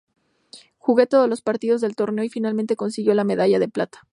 Jugó todos los partidos del torneo, y finalmente consiguió la medalla de plata.